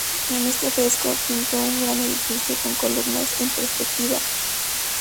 En este fresco, pintó un gran edificio con columnas en perspectiva.